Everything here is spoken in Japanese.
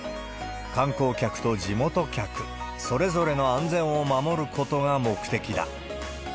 観光客と地元客、それぞれの安全を守ることが目的だ。